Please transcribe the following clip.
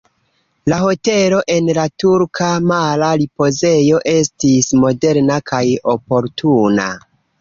La hotelo en la turka mara ripozejo estis moderna kaj oportuna.